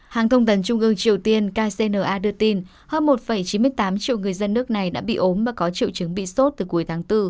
hàng thông tần trung ương triều tiên kcna đưa tin hơn một chín mươi tám triệu người dân nước này đã bị ốm và có triệu chứng bị sốt từ cuối tháng bốn